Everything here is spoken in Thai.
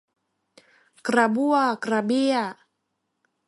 กระบั้วกระเบี้ย